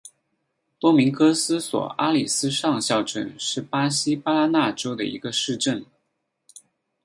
多明戈斯索阿里斯上校镇是巴西巴拉那州的一个市镇。